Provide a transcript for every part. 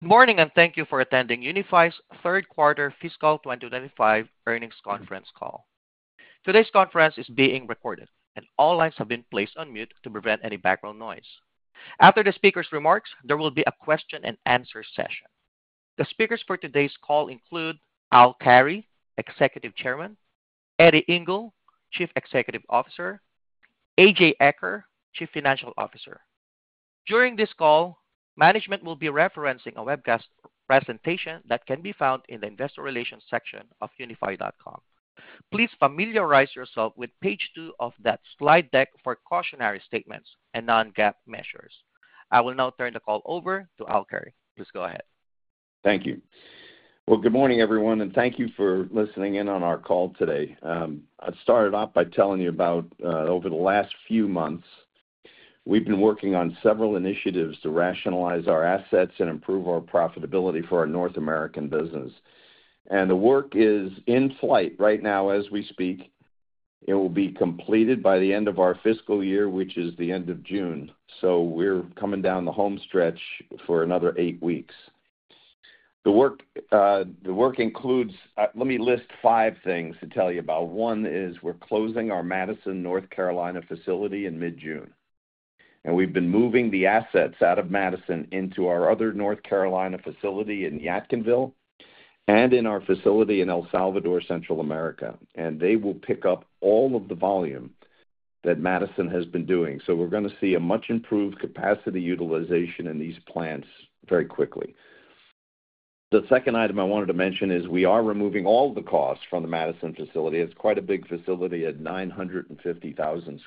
Good morning, and thank you for attending Unifi's Third Quarter Fiscal 2025 Earnings Conference Call. Today's conference is being recorded, and all lines have been placed on mute to prevent any background noise. After the speakers' remarks, there will be a question-and-answer session. The speakers for today's call include Al Carey, Executive Chairman; Eddie Ingle, Chief Executive Officer; and A.J Eaker, Chief Financial Officer. During this call, management will be referencing a webcast presentation that can be found in the Investor Relations section of unifi.com. Please familiarize yourself with page 2 of that slide deck for cautionary statements and non-GAAP measures. I will now turn the call over to Al Carey. Please go ahead. Thank you. Good morning, everyone, and thank you for listening in on our call today. I'll start it off by telling you about, over the last few months, we've been working on several initiatives to rationalize our assets and improve our profitability for our North American business. The work is in flight right now as we speak. It will be completed by the end of our fiscal year, which is the end of June. We're coming down the home stretch for another eight weeks. The work includes—let me list five things to tell you about. One is we're closing our Madison, North Carolina, facility in mid-June. We've been moving the assets out of Madison into our other North Carolina facility in Yadkinville and in our facility in El Salvador, Central America. They will pick up all of the volume that Madison has been doing. We're going to see a much-improved capacity utilization in these plants very quickly. The second item I wanted to mention is we are removing all the costs from the Madison facility. It's quite a big facility at 950,000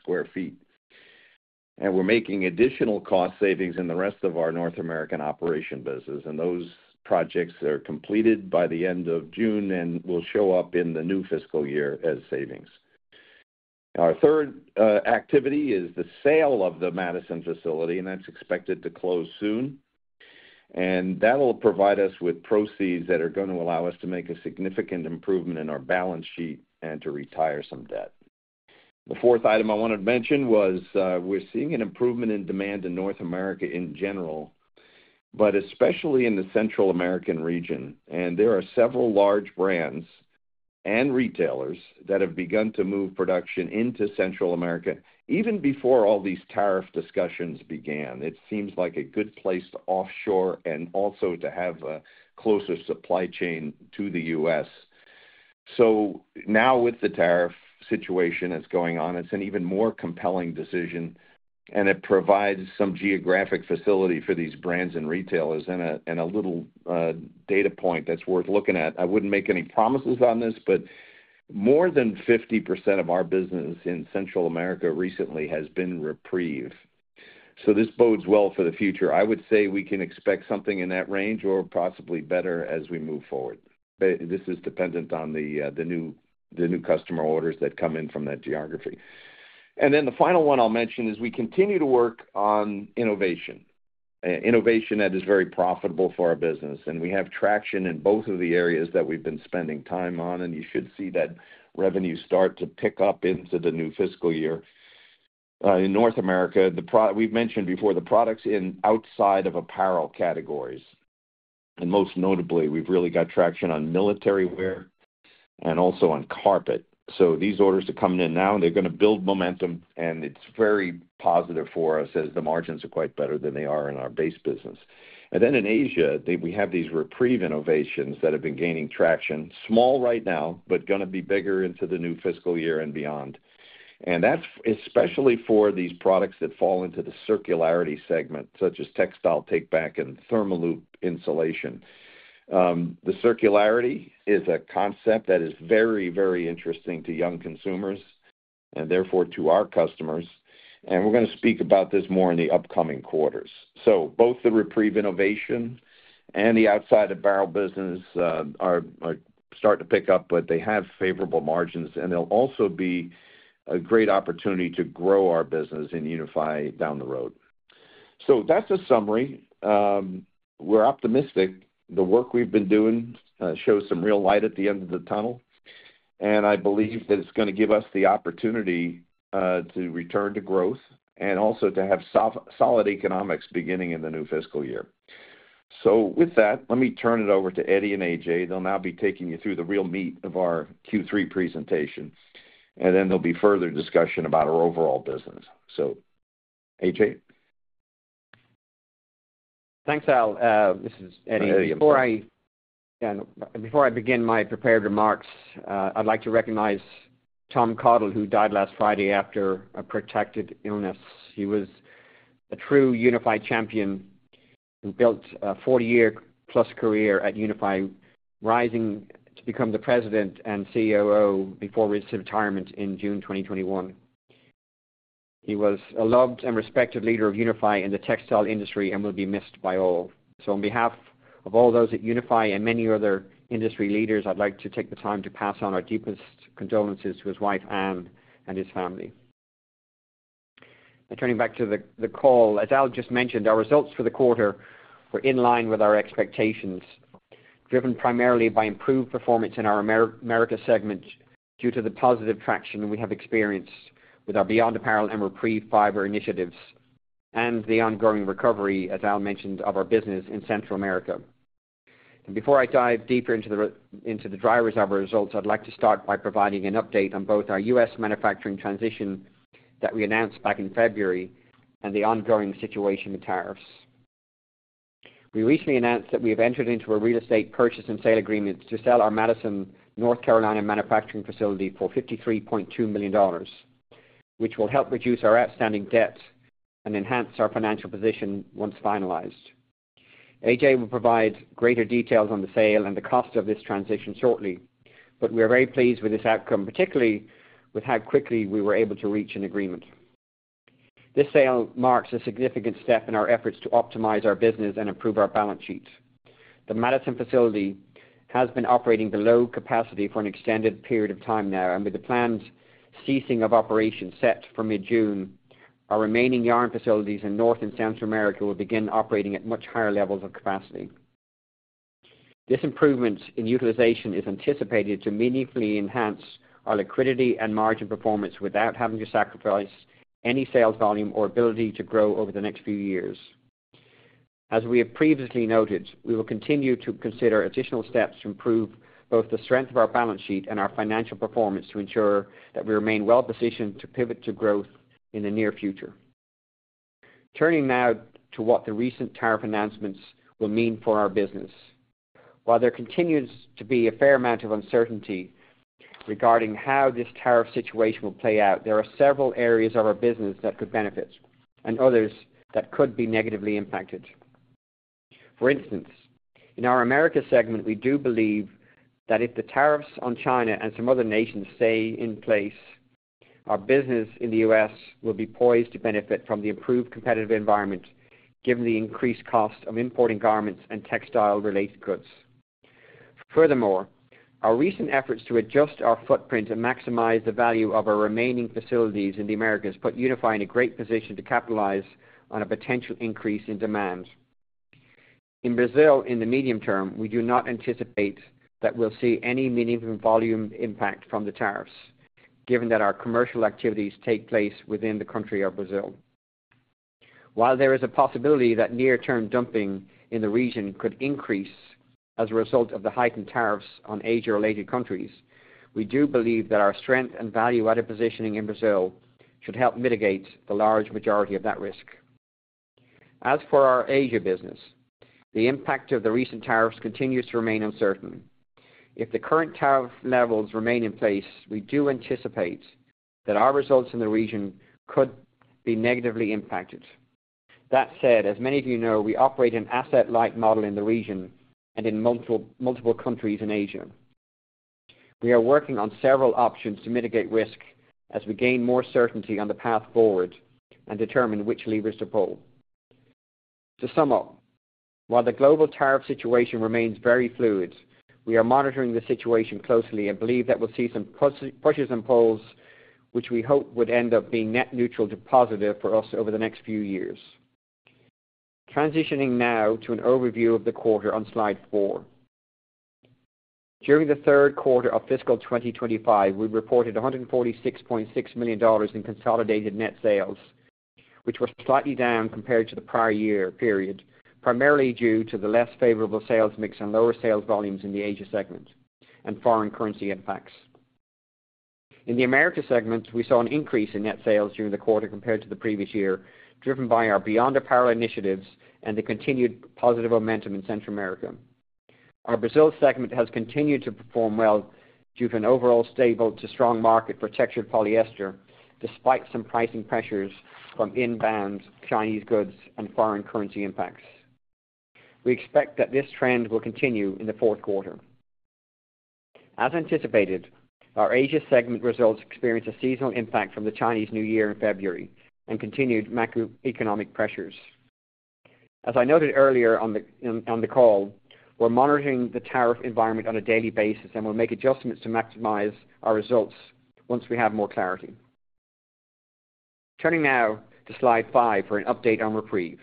sq ft. We're making additional cost savings in the rest of our North American operation business. Those projects are completed by the end of June and will show up in the new fiscal year as savings. Our third activity is the sale of the Madison facility, and that's expected to close soon. That will provide us with proceeds that are going to allow us to make a significant improvement in our balance sheet and to retire some debt. The fourth item I wanted to mention was we're seeing an improvement in demand in North America in general, but especially in the Central American region. There are several large brands and retailers that have begun to move production into Central America even before all these tariff discussions began. It seems like a good place to offshore and also to have a closer supply chain to the U.S. Now, with the tariff situation that is going on, it is an even more compelling decision. It provides some geographic facility for these brands and retailers, and a little data point that is worth looking at. I would not make any promises on this, but more than 50% of our business in Central America recently has been REPREVE. This bodes well for the future. I would say we can expect something in that range or possibly better as we move forward. This is dependent on the new customer orders that come in from that geography. The final one I'll mention is we continue to work on innovation, innovation that is very profitable for our business. We have traction in both of the areas that we've been spending time on. You should see that revenue start to pick up into the new fiscal year. In North America, we've mentioned before the products in outside of apparel categories. Most notably, we've really got traction on military wear and also on carpet. These orders are coming in now, and they're going to build momentum. It is very positive for us as the margins are quite better than they are in our base business. In Asia, we have these REPREVE innovations that have been gaining traction, small right now, but going to be bigger into the new fiscal year and beyond. That is especially for these products that fall into the circularity segment, such as textile take-back and ThermaLoop insulation. Circularity is a concept that is very, very interesting to young consumers and therefore to our customers. We are going to speak about this more in the upcoming quarters. Both the REPREVE innovation and the outside apparel business are starting to pick up, but they have favorable margins. They will also be a great opportunity to grow our business in Unifi down the road. That is a summary. We are optimistic. The work we have been doing shows some real light at the end of the tunnel. I believe that it is going to give us the opportunity to return to growth and also to have solid economics beginning in the new fiscal year. With that, let me turn it over to Eddie and A.J. They'll now be taking you through the real meat of our Q3 presentation. There will be further discussion about our overall business. A.J. Thanks, Al. This is Eddie. Before I begin my prepared remarks, I'd like to recognize Tom Caudle, who died last Friday after a protracted illness. He was a true Unifi champion who built a 40-year-plus career at Unifi, rising to become the President and COO before his retirement in June 2021. He was a loved and respected leader of Unifi in the textile industry and will be missed by all. On behalf of all those at Unifi and many other industry leaders, I'd like to take the time to pass on our deepest condolences to his wife, Ann, and his family. Turning back to the call, as Al just mentioned, our results for the quarter were in line with our expectations, driven primarily by improved performance in our Americas segment due to the positive traction we have experienced with our Beyond Apparel and REPREVE fiber initiatives and the ongoing recovery, as Al mentioned, of our business in Central America. Before I dive deeper into the drivers of our results, I would like to start by providing an update on both our U.S. manufacturing transition that we announced back in February and the ongoing situation with tariffs. We recently announced that we have entered into a real estate purchase and sale agreement to sell our Madison, North Carolina, manufacturing facility for $53.2 million, which will help reduce our outstanding debt and enhance our financial position once finalized. A.J will provide greater details on the sale and the cost of this transition shortly, but we are very pleased with this outcome, particularly with how quickly we were able to reach an agreement. This sale marks a significant step in our efforts to optimize our business and improve our balance sheet. The Madison facility has been operating below capacity for an extended period of time now. With the planned ceasing of operations set for mid-June, our remaining yarn facilities in North and Central America will begin operating at much higher levels of capacity. This improvement in utilization is anticipated to meaningfully enhance our liquidity and margin performance without having to sacrifice any sales volume or ability to grow over the next few years. As we have previously noted, we will continue to consider additional steps to improve both the strength of our balance sheet and our financial performance to ensure that we remain well-positioned to pivot to growth in the near future. Turning now to what the recent tariff announcements will mean for our business. While there continues to be a fair amount of uncertainty regarding how this tariff situation will play out, there are several areas of our business that could benefit and others that could be negatively impacted. For instance, in our Americas segment, we do believe that if the tariffs on China and some other nations stay in place, our business in the U.S. will be poised to benefit from the improved competitive environment, given the increased cost of importing garments and textile-related goods. Furthermore, our recent efforts to adjust our footprint and maximize the value of our remaining facilities in the Americas put Unifi in a great position to capitalize on a potential increase in demand. In Brazil, in the medium term, we do not anticipate that we'll see any meaningful volume impact from the tariffs, given that our commercial activities take place within the country of Brazil. While there is a possibility that near-term dumping in the region could increase as a result of the heightened tariffs on Asia-related countries, we do believe that our strength and value-added positioning in Brazil should help mitigate the large majority of that risk. As for our Asia business, the impact of the recent tariffs continues to remain uncertain. If the current tariff levels remain in place, we do anticipate that our results in the region could be negatively impacted. That said, as many of you know, we operate an asset-light model in the region and in multiple countries in Asia. We are working on several options to mitigate risk as we gain more certainty on the path forward and determine which levers to pull. To sum up, while the global tariff situation remains very fluid, we are monitoring the situation closely and believe that we'll see some pushes and pulls, which we hope would end up being net neutral to positive for us over the next few years. Transitioning now to an overview of the quarter on slide four. During the third quarter of fiscal 2025, we reported $146.6 million in consolidated net sales, which were slightly down compared to the prior year period, primarily due to the less favorable sales mix and lower sales volumes in the Asia segment and foreign currency impacts. In the America segment, we saw an increase in net sales during the quarter compared to the previous year, driven by our beyond apparel initiatives and the continued positive momentum in Central America. Our Brazil segment has continued to perform well due to an overall stable to strong market for textured polyester, despite some pricing pressures from inbound Chinese goods and foreign currency impacts. We expect that this trend will continue in the fourth quarter. As anticipated, our Asia segment results experienced a seasonal impact from the Chinese New Year in February and continued macroeconomic pressures. As I noted earlier on the call, we're monitoring the tariff environment on a daily basis and we'll make adjustments to maximize our results once we have more clarity. Turning now to slide five for an update on REPREVE.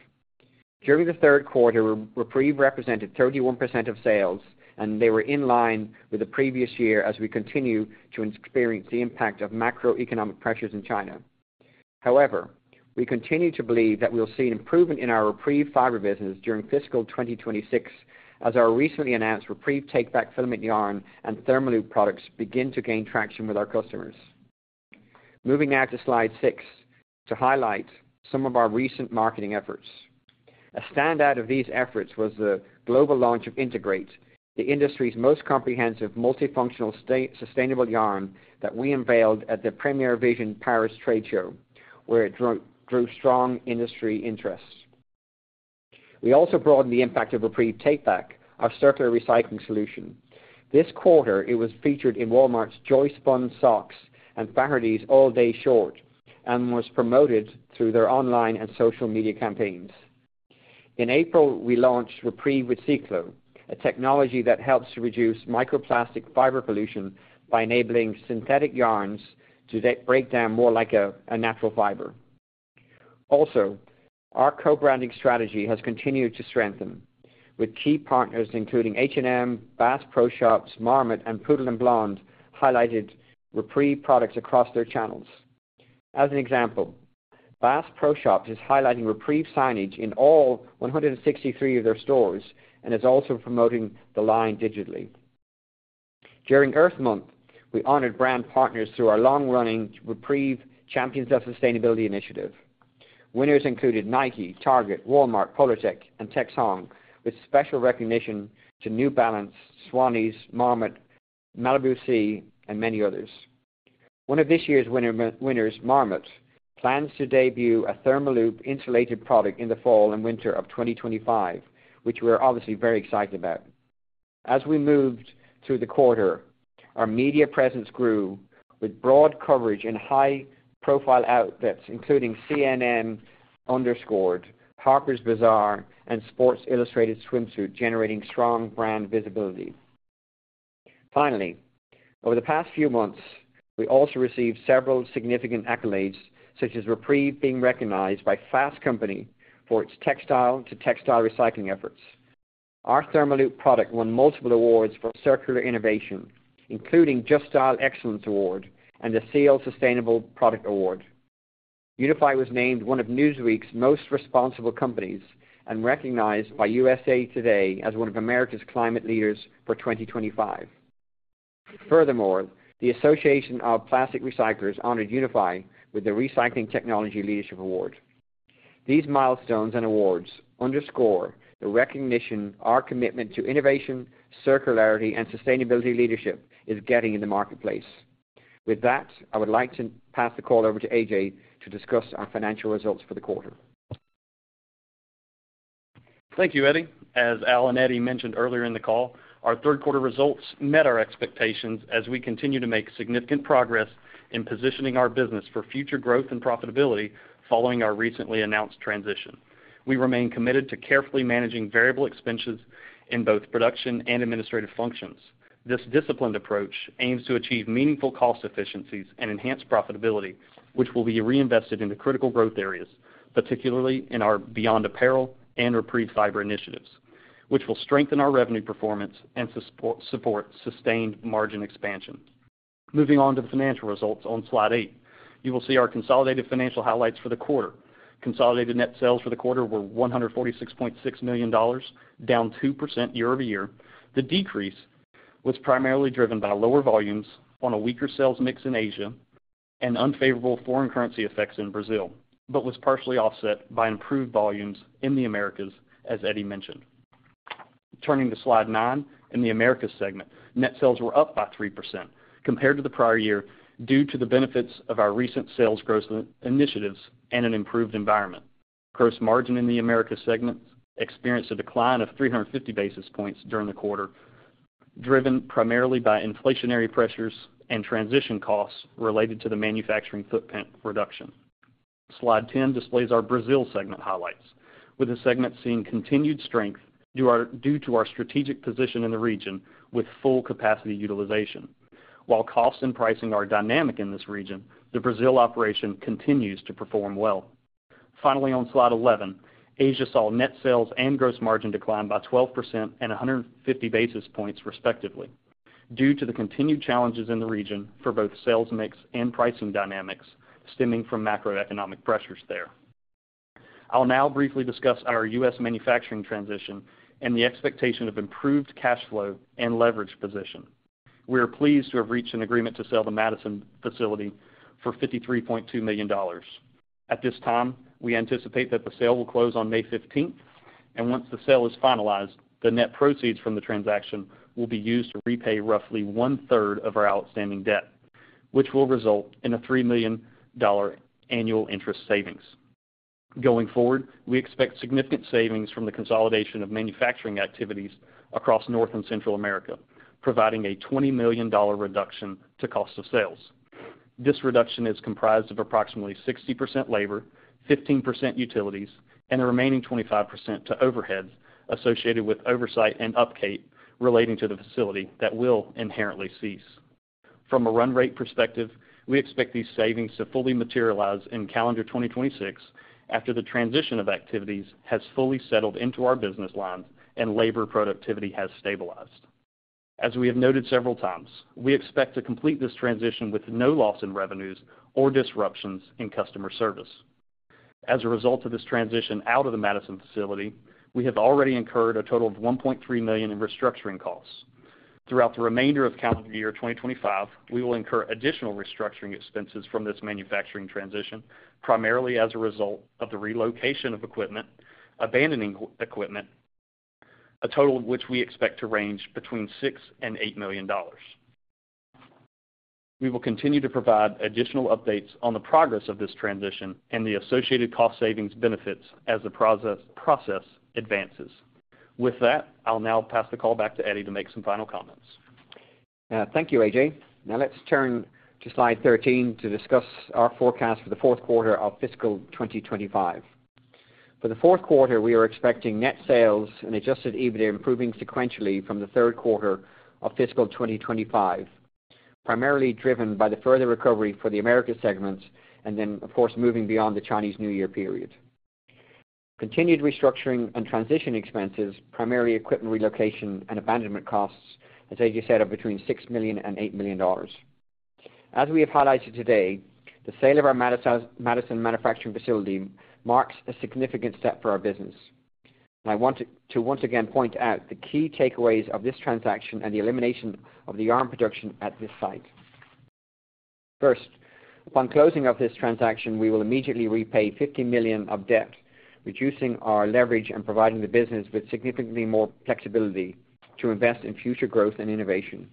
During the third quarter, REPREVE represented 31% of sales, and they were in line with the previous year as we continue to experience the impact of macroeconomic pressures in China. However, we continue to believe that we'll see an improvement in our REPREVE fiber business during fiscal 2026 as our recently announced REPREVE take-back filament yarn and ThermaLoop products begin to gain traction with our customers. Moving now to slide six to highlight some of our recent marketing efforts. A standout of these efforts was the global launch of Integrate, the industry's most comprehensive multifunctional sustainable yarn that we unveiled at the Premiere Vision Paris trade show, where it drew strong industry interest. We also broadened the impact of REPREVE take-back, our circular recycling solution. This quarter, it was featured in Walmart's Joyspun socks and Faherty's All Day Short and was promoted through their online and social media campaigns. In April, we launched REPREVE with CiCLO, a technology that helps to reduce microplastic fiber pollution by enabling synthetic yarns to break down more like a natural fiber. Also, our co-branding strategy has continued to strengthen, with key partners including H&M, Bass Pro Shops, Marmot, and Poivre Blanc highlighting REPREVE products across their channels. As an example, Bass Pro Shops is highlighting REPREVE signage in all 163 of their stores and is also promoting the line digitally. During Earth Month, we honored brand partners through our long-running REPREVE Champions of Sustainability initiative. Winners included Nike, Target, Walmart, Polartec, and Texhong, with special recognition to New Balance, Swannies, Marmot, Malibu C, and many others. One of this year's winners, Marmot, plans to debut a ThermaLoop insulated product in the fall and winter of 2025, which we are obviously very excited about. As we moved through the quarter, our media presence grew with broad coverage and high-profile outfits, including CNN, Harper's Bazaar, and Sports Illustrated Swimsuit, generating strong brand visibility. Finally, over the past few months, we also received several significant accolades, such as REPREVE being recognized by Fast Company for its textile-to-textile recycling efforts. Our ThermaLoop product won multiple awards for circular innovation, including Just Style Excellence Award and the SEAL Sustainable Product Award. Unifi was named one of Newsweek's most responsible companies and recognized by USA Today as one of America's climate leaders for 2025. Furthermore, the Association of Plastic Recyclers honored Unifi with the Recycling Technology Leadership Award. These milestones and awards underscore the recognition our commitment to innovation, circularity, and sustainability leadership is getting in the marketplace. With that, I would like to pass the call over to A.J to discuss our financial results for the quarter. Thank you, Eddie. As Al and Eddie mentioned earlier in the call, our third-quarter results met our expectations as we continue to make significant progress in positioning our business for future growth and profitability following our recently announced transition. We remain committed to carefully managing variable expenses in both production and administrative functions. This disciplined approach aims to achieve meaningful cost efficiencies and enhance profitability, which will be reinvested in the critical growth areas, particularly in our beyond apparel and REPREVE fiber initiatives, which will strengthen our revenue performance and support sustained margin expansion. Moving on to the financial results on slide eight, you will see our consolidated financial highlights for the quarter. Consolidated net sales for the quarter were $146.6 million, down 2% year-over-year. The decrease was primarily driven by lower volumes on a weaker sales mix in Asia and unfavorable foreign currency effects in Brazil, but was partially offset by improved volumes in the Americas, as Eddie mentioned. Turning to slide nine in the America segment, net sales were up by 3% compared to the prior year due to the benefits of our recent sales growth initiatives and an improved environment. Gross margin in the America segment experienced a decline of 350 basis points during the quarter, driven primarily by inflationary pressures and transition costs related to the manufacturing footprint reduction. Slide 10 displays our Brazil segment highlights, with the segment seeing continued strength due to our strategic position in the region with full capacity utilization. While costs and pricing are dynamic in this region, the Brazil operation continues to perform well. Finally, on slide 11, Asia saw net sales and gross margin decline by 12% and 150 basis points, respectively, due to the continued challenges in the region for both sales mix and pricing dynamics stemming from macroeconomic pressures there. I'll now briefly discuss our U.S. manufacturing transition and the expectation of improved cash flow and leverage position. We are pleased to have reached an agreement to sell the Madison facility for $53.2 million. At this time, we anticipate that the sale will close on May 15th, and once the sale is finalized, the net proceeds from the transaction will be used to repay roughly one-third of our outstanding debt, which will result in a $3 million annual interest savings. Going forward, we expect significant savings from the consolidation of manufacturing activities across North and Central America, providing a $20 million reduction to cost of sales. This reduction is comprised of approximately 60% labor, 15% utilities, and the remaining 25% to overheads associated with oversight and upkeep relating to the facility that will inherently cease. From a run rate perspective, we expect these savings to fully materialize in calendar 2026 after the transition of activities has fully settled into our business lines and labor productivity has stabilized. As we have noted several times, we expect to complete this transition with no loss in revenues or disruptions in customer service. As a result of this transition out of the Madison facility, we have already incurred a total of $1.3 million in restructuring costs. Throughout the remainder of calendar year 2025, we will incur additional restructuring expenses from this manufacturing transition, primarily as a result of the relocation of equipment, abandoning equipment, a total of which we expect to range between $6-$8 million. We will continue to provide additional updates on the progress of this transition and the associated cost savings benefits as the process advances. With that, I'll now pass the call back to Eddie to make some final comments. Thank you, A.J Now let's turn to slide 13 to discuss our forecast for the fourth quarter of fiscal 2025. For the fourth quarter, we are expecting net sales and adjusted EBITDA improving sequentially from the third quarter of fiscal 2025, primarily driven by the further recovery for the Americas segment and then, of course, moving beyond the Chinese New Year period. Continued restructuring and transition expenses, primarily equipment relocation and abandonment costs, as A.J said, are between $6 million and $8 million. As we have highlighted today, the sale of our Madison manufacturing facility marks a significant step for our business. I want to once again point out the key takeaways of this transaction and the elimination of the yarn production at this site. First, upon closing of this transaction, we will immediately repay $50 million of debt, reducing our leverage and providing the business with significantly more flexibility to invest in future growth and innovation.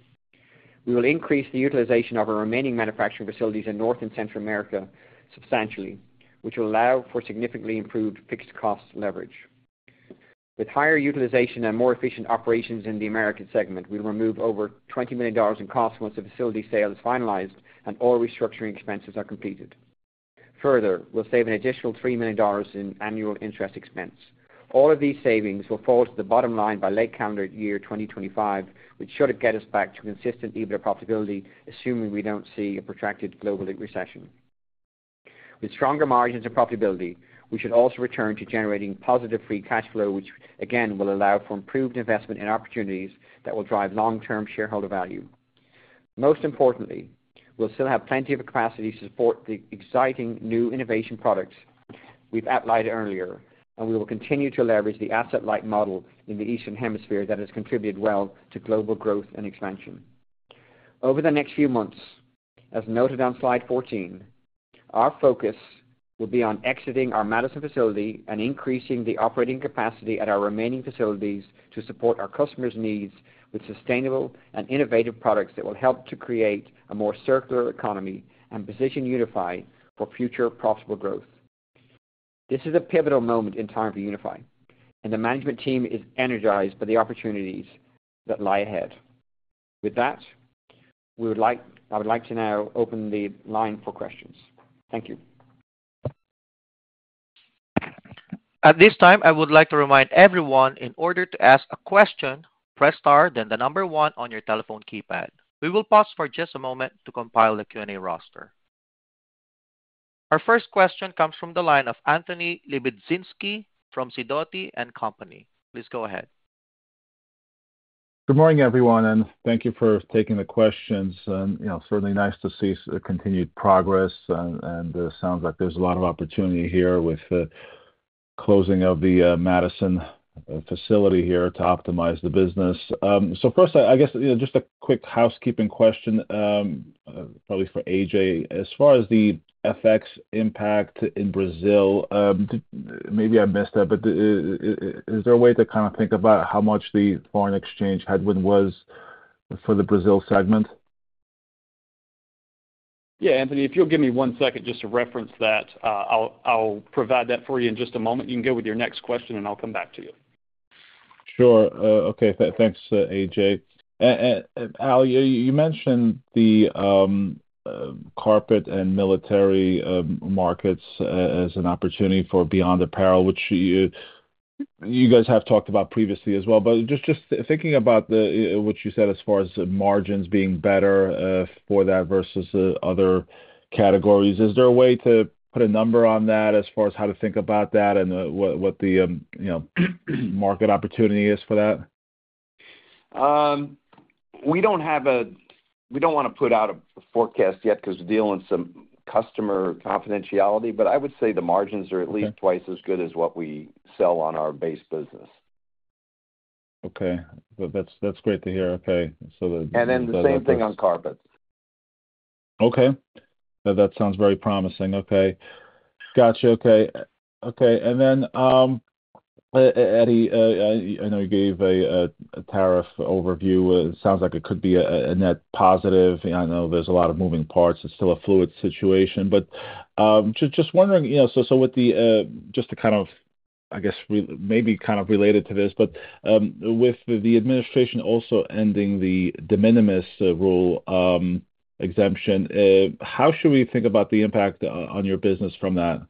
We will increase the utilization of our remaining manufacturing facilities in North and Central America substantially, which will allow for significantly improved fixed cost leverage. With higher utilization and more efficient operations in the America segment, we will remove over $20 million in costs once the facility sale is finalized and all restructuring expenses are completed. Further, we'll save an additional $3 million in annual interest expense. All of these savings will fall to the bottom line by late calendar year 2025, which should get us back to consistent EBITDA profitability, assuming we don't see a protracted global recession. With stronger margins of profitability, we should also return to generating positive free cash flow, which again will allow for improved investment in opportunities that will drive long-term shareholder value. Most importantly, we'll still have plenty of capacity to support the exciting new innovation products we've outlined earlier, and we will continue to leverage the asset-light model in the Eastern Hemisphere that has contributed well to global growth and expansion. Over the next few months, as noted on slide 14, our focus will be on exiting our Madison facility and increasing the operating capacity at our remaining facilities to support our customers' needs with sustainable and innovative products that will help to create a more circular economy and position Unifi for future profitable growth. This is a pivotal moment in time for Unifi, and the management team is energized by the opportunities that lie ahead. With that, I would like to now open the line for questions. Thank you. At this time, I would like to remind everyone in order to ask a question, press star, then the number one on your telephone keypad. We will pause for just a moment to compile the Q&A roster. Our first question comes from the line of Anthony Lebiedzinski from Sidoti & Company. Please go ahead. Good morning, everyone, and thank you for taking the questions. Certainly nice to see continued progress, and it sounds like there's a lot of opportunity here with the closing of the Madison facility here to optimize the business. First, I guess just a quick housekeeping question, probably for A.J, as far as the FX impact in Brazil, maybe I missed that, but is there a way to kind of think about how much the foreign exchange headwind was for the Brazil segment? Yeah, Anthony, if you'll give me one second just to reference that, I'll provide that for you in just a moment. You can go with your next question, and I'll come back to you. Sure. Okay. Thanks, A.J. Al, you mentioned the carpet and military markets as an opportunity for beyond apparel, which you guys have talked about previously as well. Just thinking about what you said as far as margins being better for that versus other categories, is there a way to put a number on that as far as how to think about that and what the market opportunity is for that? We do not have a—we do not want to put out a forecast yet because we are dealing with some customer confidentiality, but I would say the margins are at least twice as good as what we sell on our base business. Okay. That's great to hear. Okay. The same thing on carpet. Okay. That sounds very promising. Okay. Gotcha. Okay. Okay. And then, Eddie, I know you gave a tariff overview. It sounds like it could be a net positive. I know there is a lot of moving parts. It is still a fluid situation. Just wondering, with the administration also ending the de minimis rule exemption, how should we think about the impact on your business from that?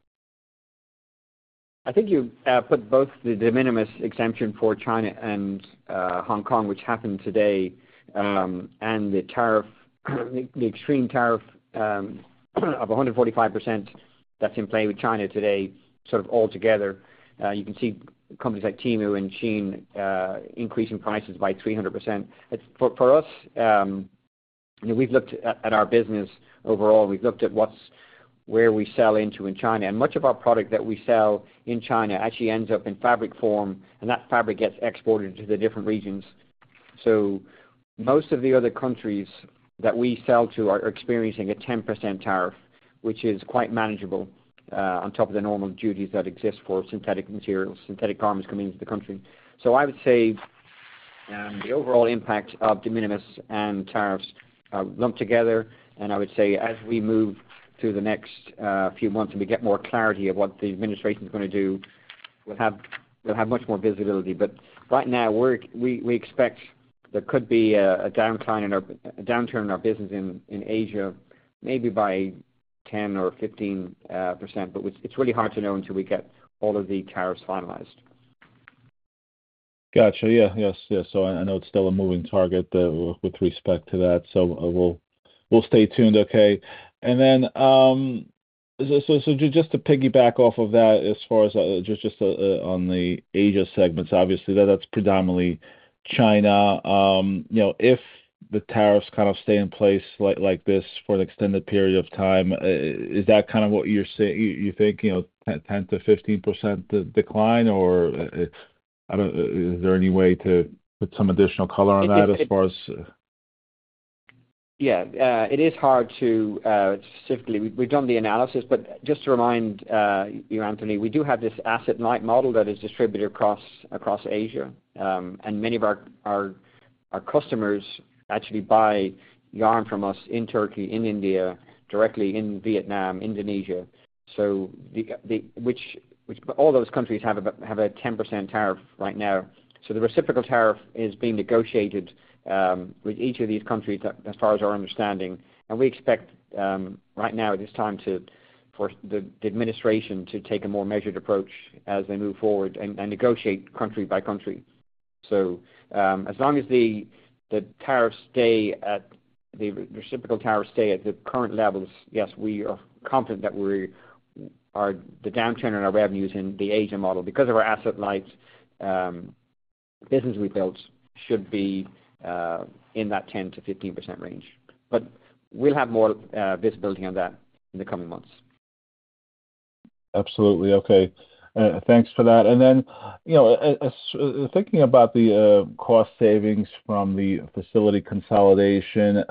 I think you put both the de minimis exemption for China and Hong Kong, which happened today, and the extreme tariff of 145% that's in play with China today sort of all together. You can see companies like Temu and Shein increasing prices by 300%. For us, we've looked at our business overall. We've looked at where we sell into in China, and much of our product that we sell in China actually ends up in fabric form, and that fabric gets exported to the different regions. Most of the other countries that we sell to are experiencing a 10% tariff, which is quite manageable on top of the normal duties that exist for synthetic materials, synthetic garments coming into the country. I would say the overall impact of de minimis and tariffs lumped together, and I would say as we move through the next few months and we get more clarity of what the administration is going to do, we'll have much more visibility. Right now, we expect there could be a downturn in our business in Asia maybe by 10% or 15%, but it's really hard to know until we get all of the tariffs finalized. Gotcha. Yeah. Yes. Yeah. I know it's still a moving target with respect to that, so we'll stay tuned. Okay. Just to piggyback off of that, as far as just on the Asia segments, obviously, that's predominantly China. If the tariffs kind of stay in place like this for an extended period of time, is that kind of what you're thinking, 10-15% decline? Is there any way to put some additional color on that as far as? Yeah. It is hard to specifically—we've done the analysis, but just to remind you, Anthony, we do have this asset-light model that is distributed across Asia, and many of our customers actually buy yarn from us in Turkey, in India, directly in Vietnam, Indonesia, which all those countries have a 10% tariff right now. The reciprocal tariff is being negotiated with each of these countries as far as our understanding. We expect right now, at this time, for the administration to take a more measured approach as they move forward and negotiate country by country. As long as the tariffs stay at the reciprocal tariffs stay at the current levels, yes, we are confident that the downturn in our revenues in the Asia model because of our asset-light business we've built should be in that 10-15% range. We will have more visibility on that in the coming months. Absolutely. Okay. Thanks for that. Thinking about the cost savings from the facility consolidation,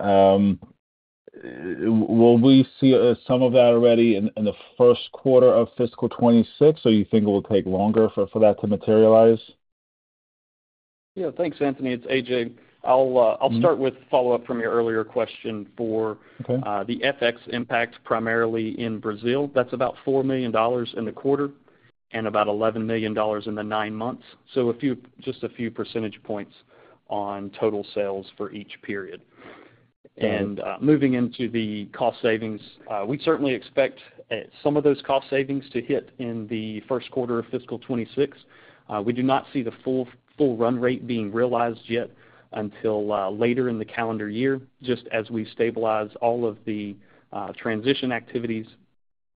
will we see some of that already in the first quarter of fiscal 2026, or do you think it will take longer for that to materialize? Yeah. Thanks, Anthony. It's A.J. I'll start with follow-up from your earlier question for the FX impact primarily in Brazil. That's about $4 million in the quarter and about $11 million in the nine months, so just a few percentage points on total sales for each period. Moving into the cost savings, we certainly expect some of those cost savings to hit in the first quarter of fiscal 2026. We do not see the full run rate being realized yet until later in the calendar year, just as we stabilize all of the transition activities,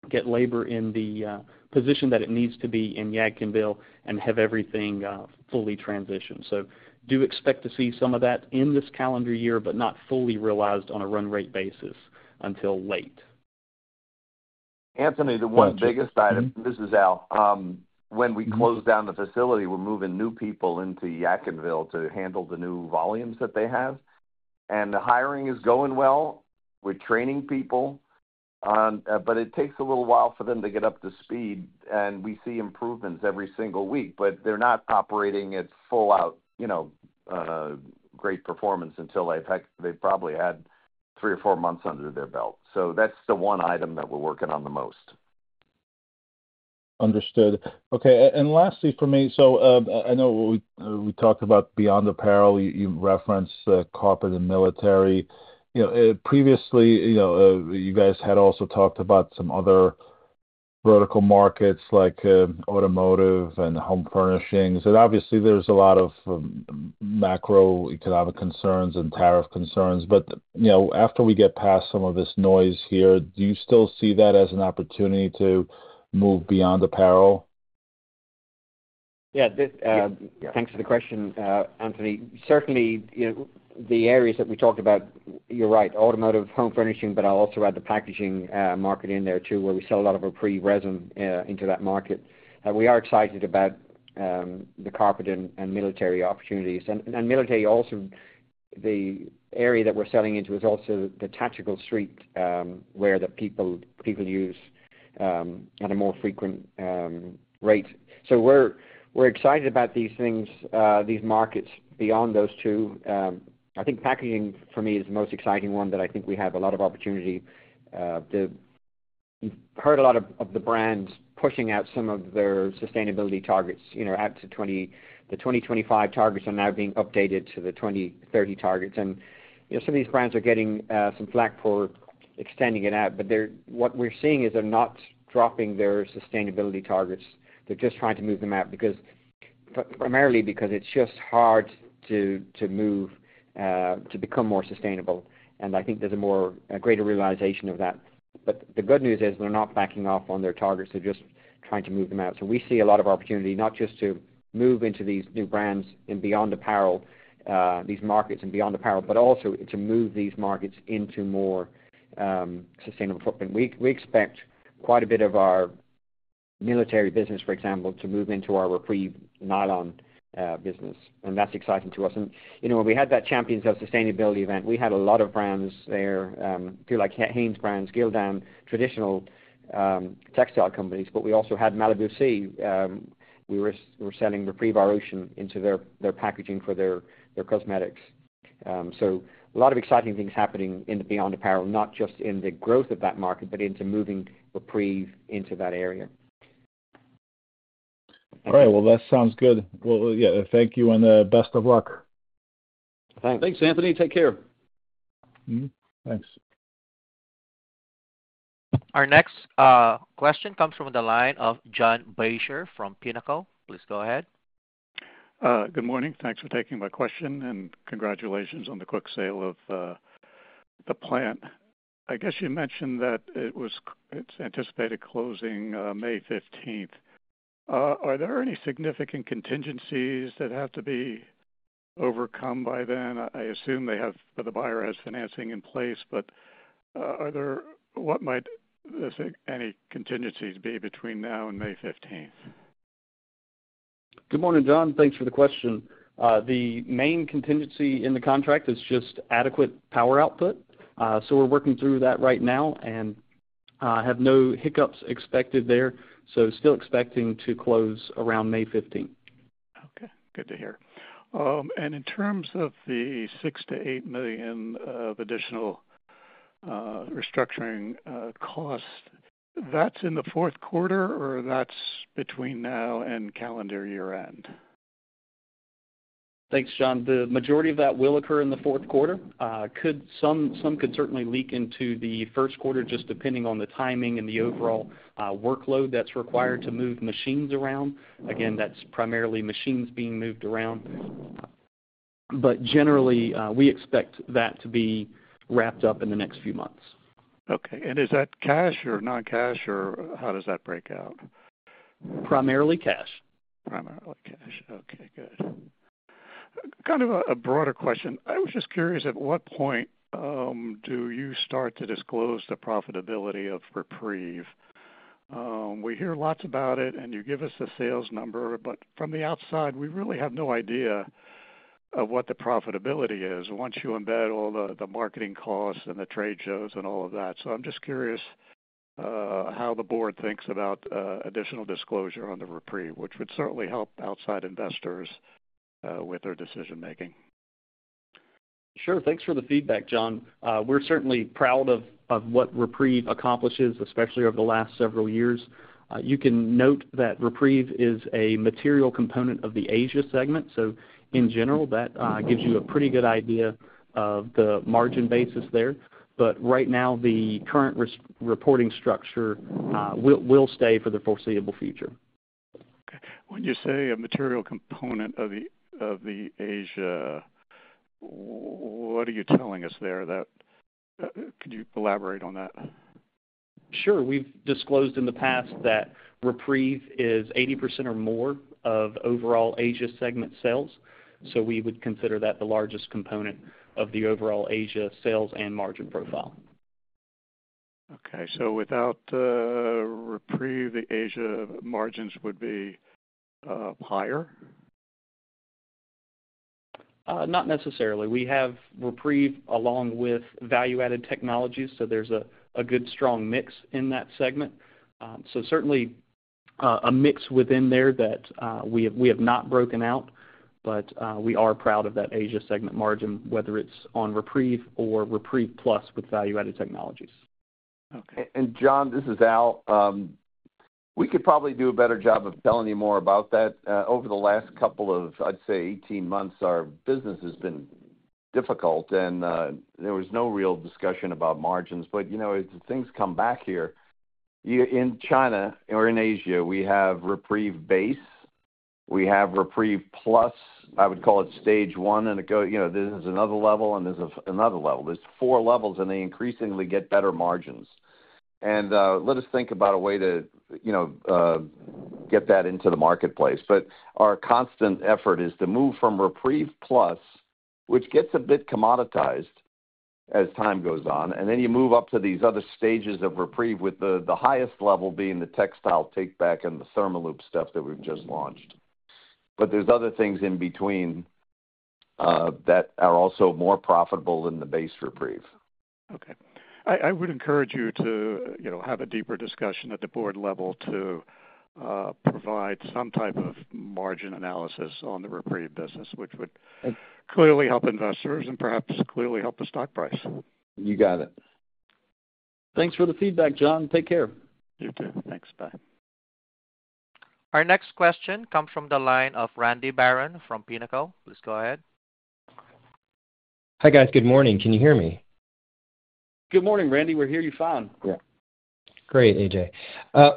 get labor in the position that it needs to be in Yadkinville, and have everything fully transitioned. You do expect to see some of that in this calendar year, but not fully realized on a run rate basis until late. Anthony, the one biggest item, this is Al, when we close down the facility, we're moving new people into Yadkinville to handle the new volumes that they have. The hiring is going well. We're training people, but it takes a little while for them to get up to speed, and we see improvements every single week. They're not operating at full-out great performance until they've probably had three or four months under their belt. That's the one item that we're working on the most. Understood. Okay. Lastly for me, I know we talked about beyond apparel. You referenced the carpet and military. Previously, you guys had also talked about some other vertical markets like automotive and home furnishings. Obviously, there is a lot of macroeconomic concerns and tariff concerns. After we get past some of this noise here, do you still see that as an opportunity to move beyond apparel? Yeah. Thanks for the question, Anthony. Certainly, the areas that we talked about, you're right, automotive, home furnishing, but I'll also add the packaging market in there too, where we sell a lot of our pre-resin into that market. We are excited about the carpet and military opportunities. And military, also the area that we're selling into is also the tactical street where the people use at a more frequent rate. So we're excited about these things, these markets beyond those two. I think packaging, for me, is the most exciting one that I think we have a lot of opportunity. You've heard a lot of the brands pushing out some of their sustainability targets out to the 2025 targets are now being updated to the 2030 targets. Some of these brands are getting some flack for extending it out, but what we're seeing is they're not dropping their sustainability targets. They're just trying to move them out primarily because it's just hard to move to become more sustainable. I think there's a greater realization of that. The good news is they're not backing off on their targets. They're just trying to move them out. We see a lot of opportunity not just to move into these new brands and beyond apparel, these markets and beyond apparel, but also to move these markets into more sustainable footprint. We expect quite a bit of our military business, for example, to move into our REPREVE nylon business. That's exciting to us. When we had that Champions of Sustainability event, we had a lot of brands there, like Hanesbrands, Gildan, traditional textile companies. We also had Malibu Sea. We were selling REPREVE Our Ocean into their packaging for their cosmetics. A lot of exciting things are happening in the beyond apparel, not just in the growth of that market, but in moving REPREVE into that area. All right. That sounds good. Yeah, thank you and best of luck. Thanks. Thanks, Anthony. Take care. Thanks. Our next question comes from the line of John Deysher from Pinnacle. Please go ahead. Good morning. Thanks for taking my question and congratulations on the quick sale of the plant. I guess you mentioned that it's anticipated closing May 15th. Are there any significant contingencies that have to be overcome by then? I assume the buyer has financing in place, but what might any contingencies be between now and May 15th? Good morning, John. Thanks for the question. The main contingency in the contract is just adequate power output. We are working through that right now and have no hiccups expected there. Still expecting to close around May 15th. Okay. Good to hear. In terms of the $6-8 million of additional restructuring cost, that's in the fourth quarter or that's between now and calendar year-end? Thanks, John. The majority of that will occur in the fourth quarter. Some could certainly leak into the first quarter, just depending on the timing and the overall workload that's required to move machines around. Again, that's primarily machines being moved around. Generally, we expect that to be wrapped up in the next few months. Okay. Is that cash or non-cash, or how does that break out? Primarily cash. Primarily cash. Okay. Good. Kind of a broader question. I was just curious, at what point do you start to disclose the profitability of REPREVE? We hear lots about it, and you give us a sales number, but from the outside, we really have no idea of what the profitability is once you embed all the marketing costs and the trade shows and all of that. I am just curious how the board thinks about additional disclosure on the REPREVE, which would certainly help outside investors with their decision-making. Sure. Thanks for the feedback, John. We're certainly proud of what REPREVE accomplishes, especially over the last several years. You can note that REPREVE is a material component of the Asia segment. In general, that gives you a pretty good idea of the margin basis there. Right now, the current reporting structure will stay for the foreseeable future. Okay. When you say a material component of the Asia, what are you telling us there? Could you elaborate on that? Sure. We've disclosed in the past that REPREVE is 80% or more of overall Asia segment sales. So we would consider that the largest component of the overall Asia sales and margin profile. Okay. So without REPREVE, the Asia margins would be higher? Not necessarily. We have REPREVE along with value-added technologies. There is a good strong mix in that segment. There is certainly a mix within there that we have not broken out, but we are proud of that Asia segment margin, whether it is on REPREVE or REPREVE plus with value-added technologies. John, this is Al. We could probably do a better job of telling you more about that. Over the last couple of, I'd say, 18 months, our business has been difficult, and there was no real discussion about margins. As things come back here, in China or in Asia, we have REPREVE base. We have REPREVE plus. I would call it stage one, and this is another level, and there is another level. There are four levels, and they increasingly get better margins. Let us think about a way to get that into the marketplace. Our constant effort is to move from REPREVE plus, which gets a bit commoditized as time goes on, and then you move up to these other stages of REPREVE, with the highest level being the textile takeback and the ThermaLoop stuff that we have just launched. There are other things in between that are also more profitable than the base REPREVE. Okay. I would encourage you to have a deeper discussion at the board level to provide some type of margin analysis on the REPREVE business, which would clearly help investors and perhaps clearly help the stock price. You got it. Thanks for the feedback, John. Take care. You too. Thanks. Bye. Our next question comes from the line of Randy Baron from Pinnacle. Please go ahead. Hi guys. Good morning. Can you hear me? Good morning, Randy. We're here. You found. Yeah. Great, A.J.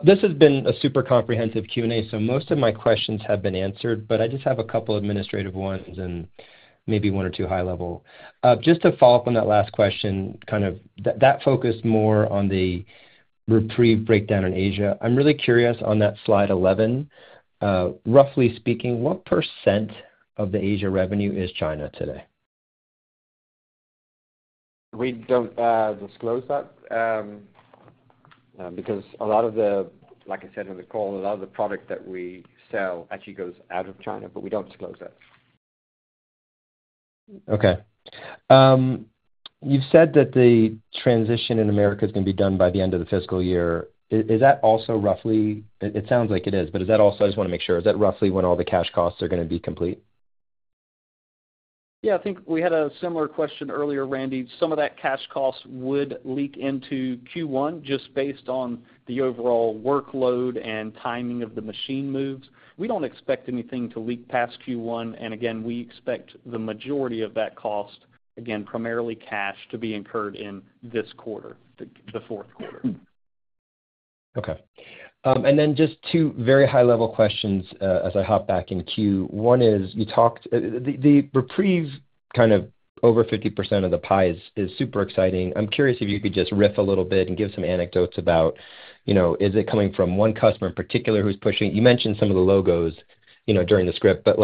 This has been a super comprehensive Q&A, so most of my questions have been answered, but I just have a couple of administrative ones and maybe one or two high-level. Just to follow up on that last question, kind of that focused more on the REPREVE breakdown in Asia. I'm really curious on that slide 11. Roughly speaking, what percent of the Asia revenue is China today? We do not disclose that because a lot of the, like I said in the call, a lot of the product that we sell actually goes out of China, but we do not disclose that. Okay. You've said that the transition in America is going to be done by the end of the fiscal year. Is that also roughly—it sounds like it is, but is that also—I just want to make sure—is that roughly when all the cash costs are going to be complete? Yeah. I think we had a similar question earlier, Randy. Some of that cash cost would leak into Q1 just based on the overall workload and timing of the machine moves. We do not expect anything to leak past Q1. Again, we expect the majority of that cost, again, primarily cash, to be incurred in this quarter, the fourth quarter. Okay. And then just two very high-level questions as I hop back in queue. One is you talked—the REPREVE, kind of over 50% of the pie is super exciting. I'm curious if you could just riff a little bit and give some anecdotes about is it coming from one customer in particular who's pushing—you mentioned some of the logos during the script, but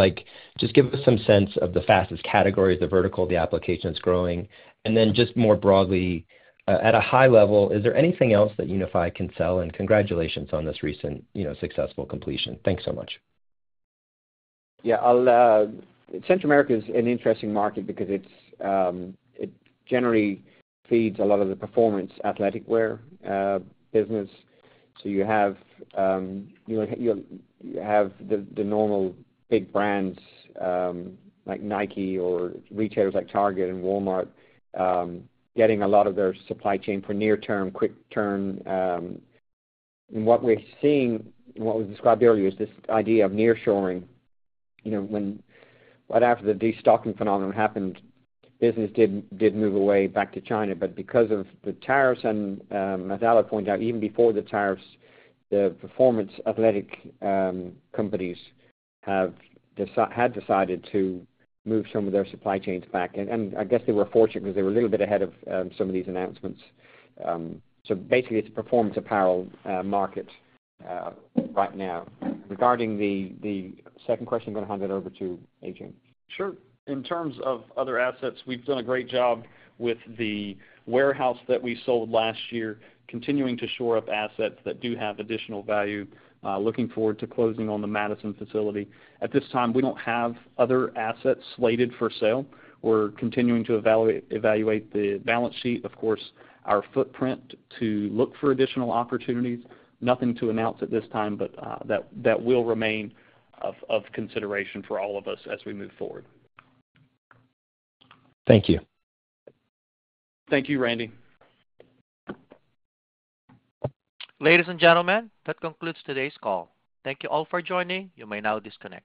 just give us some sense of the fastest categories, the vertical, the applications growing. And then just more broadly, at a high level, is there anything else that Unifi can sell? And congratulations on this recent successful completion. Thanks so much. Yeah. Central America is an interesting market because it generally feeds a lot of the performance athletic wear business. You have the normal big brands like Nike or retailers like Target and Walmart getting a lot of their supply chain for near-term, quick-turn. What we are seeing, what was described earlier, is this idea of nearshoring. Right after the destocking phenomenon happened, business did move away back to China. Because of the tariffs, and as Al pointed out, even before the tariffs, the performance athletic companies had decided to move some of their supply chains back. I guess they were fortunate because they were a little bit ahead of some of these announcements. Basically, it is a performance apparel market right now. Regarding the second question, I am going to hand it over to AJ. Sure. In terms of other assets, we've done a great job with the warehouse that we sold last year, continuing to shore up assets that do have additional value, looking forward to closing on the Madison facility. At this time, we don't have other assets slated for sale. We're continuing to evaluate the balance sheet, of course, our footprint to look for additional opportunities. Nothing to announce at this time, but that will remain of consideration for all of us as we move forward. Thank you. Thank you, Randy. Ladies and gentlemen, that concludes today's call. Thank you all for joining. You may now disconnect.